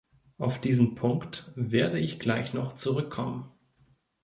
Auf diesen Punkt werde ich gleich noch zurückkommen.